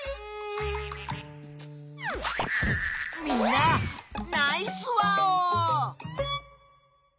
みんなナイスワオー！